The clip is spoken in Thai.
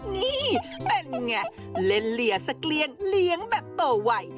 นี่เป็นไงเล่นเหลี่ยสักเกลี้ยงเลี้ยงแบบโตไว